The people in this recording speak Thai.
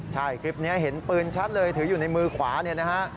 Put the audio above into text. ใช่คลิปนี้เห็นปืนชัดเลยถืออยู่ในมือขวาเนี่ยนะฮะ